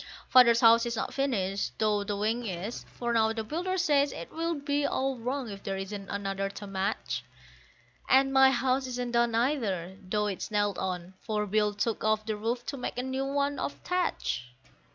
Father's house is not finished, though the wing is; for now the builder says it will be all wrong if there isn't another to match; And my house isn't done either, though it's nailed on, for Bill took off the roof to make a new one of thatch.